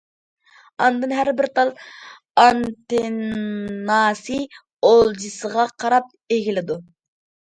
ئاندىن ھەربىر تال ئانتېنناسى ئولجىسىغا قاراپ ئېگىلىدۇ.